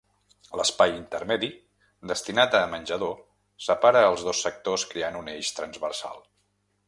L'espai intermedi, destinat a menjador, separa els dos sectors creant un eix transversal.